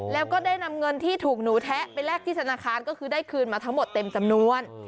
แล้วก็ได้นำเงินที่ถูกหนูแทะไปแลกที่ธนาคารก็คือได้คืนมาทั้งหมดเต็มจำนวน